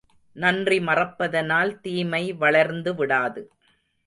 நன்றி மறப்பதனால் தீமை வளர்ந்து விடாது.